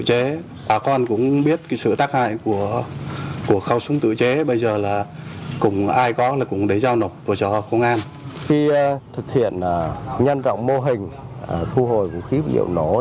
công an xã lựa chọn các địa điểm thu hồi vũ khí vật liệu nổ